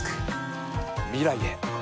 未来へ。